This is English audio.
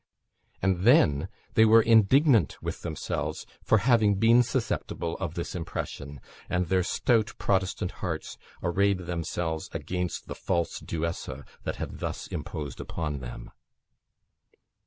And then they were indignant with themselves for having been susceptible of this impression, and their stout Protestant hearts arrayed themselves against the false Duessa that had thus imposed upon them.